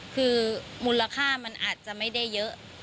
คือมูลค่ามันอาจจะไม่ได้เยอะ